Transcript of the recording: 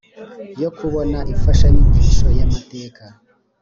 yo kubona imfashanyigisho y’amateka.